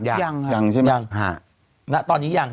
ยังค่ะยังใช่ไหมน่ะตอนนี้ยัง